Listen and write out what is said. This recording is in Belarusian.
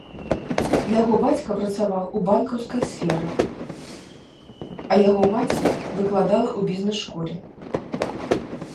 Яго бацька працаваў у банкаўскай сферы, а яго маці выкладала ў бізнес-школе.